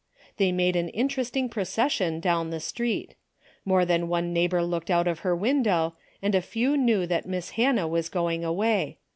They made an interesting procession down the street. More than one neighbor looked out of her window, and a few knew that Miss Hannah was going away.